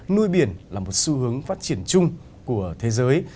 nuôi biển là một xu hướng phát triển chung của thế giới